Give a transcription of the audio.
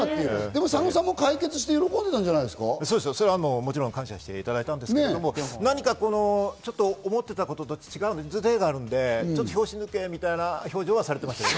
でも、サノさんも解決して喜んでたんじゃないですか？感謝していただいたんですけれども何か思ってたことと違う、ちょっと拍子抜けみたいな表情はされてましたね。